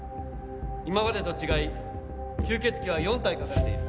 今までと違い吸血鬼は４体描かれている。